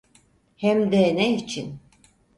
Hem de ne için?